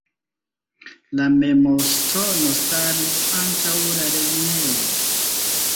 La memorŝtono staris antaŭ la lernejo.